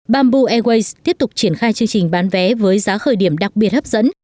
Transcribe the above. bamboo airways tiếp tục triển khai chương trình bán vé với giá khởi điểm đặc biệt hấp dẫn